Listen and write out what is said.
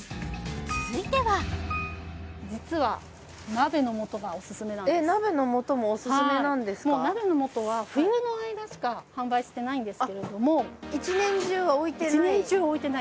続いては実はえっ鍋の素もオススメなんですかはいもう鍋の素は冬の間しか販売してないんですけれども１年中は置いてない？